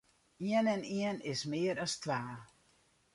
Ien en ien is mear as twa.